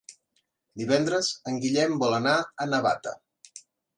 Divendres en Guillem vol anar a Navata.